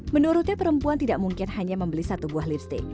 menurutnya perempuan tidak mungkin hanya membeli satu buah lipstick